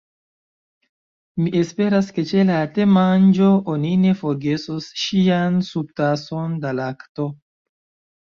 "Mi esperas ke ĉe la temanĝo oni ne forgesos ŝian subtason da lakto.